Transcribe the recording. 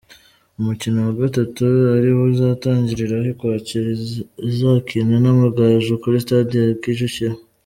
Umukino wa gatatu ari wo izatangiriraho kwakira, izakina n’Amagaju kuri stade ya Kicukiro.